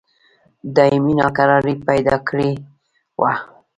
دایمي ناکراري پیدا کړې وه.